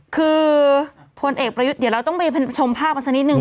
คือพลเอกประยุทธ์เดี๋ยวเราต้องไปชมภาพกันสักนิดนึง